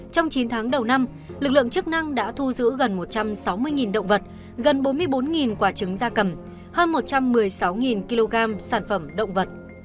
trong chín tháng đầu năm lực lượng chức năng đã thu giữ gần một trăm sáu mươi động vật gần bốn mươi bốn quả trứng da cầm hơn một trăm một mươi sáu kg sản phẩm động vật